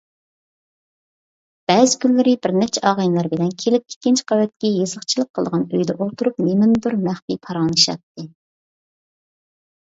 بەزى كۈنلىرى بىرنەچچە ئاغىنىلىرى بىلەن كېلىپ، ئىككىنچى قەۋەتتىكى يېزىقچىلىق قىلىدىغان ئۆيىدە ئولتۇرۇپ نېمىنىدۇر مەخپىي پاراڭلىشاتتى.